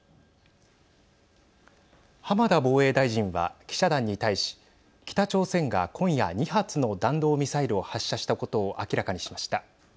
浜田防衛大臣は、記者団に対し北朝鮮が今夜２発の弾道ミサイルを発射したことを明らかにしました。